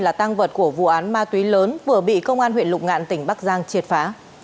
là tăng vật của vụ án ma túy lớn vừa bị công an huyện lục ngạn tỉnh bắc giang triệt phá